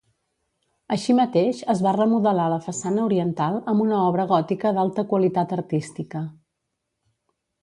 Així mateix es va remodelar la façana oriental amb una obra gòtica d'alta qualitat artística.